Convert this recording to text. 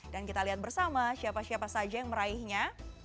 dan kita lihat bersama siapa siapa saja yang meraihnya